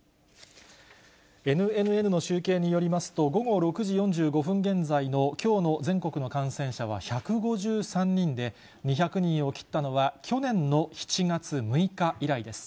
ＮＮＮの集計によりますと、午後６時４５分現在のきょうの全国の感染者は１５３人で、２００人を切ったのは、去年の７月６日以来です。